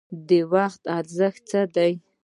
د وخت ارزښت څه دی؟